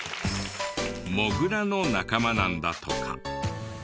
モグラの仲間なんだとか。